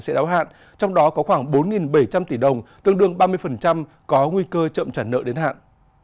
sẽ đáo hạn trong đó có khoảng bốn bảy trăm linh tỷ đồng tương đương ba mươi có nguy cơ chậm trả nợ đến hạn